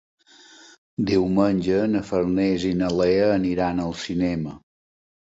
Diumenge na Farners i na Lea aniran al cinema.